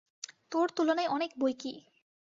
তোর তুলনায় অনেক বৈকি।